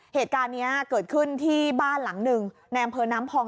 เหตุการณ์นี้เกิดขึ้นที่บ้านหลังหนึ่งในอำเภอน้ำพอง